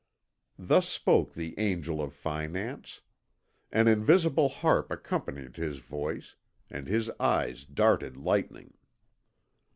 Thus spoke the angel of finance. An invisible harp accompanied his voice, and his eyes darted lightning.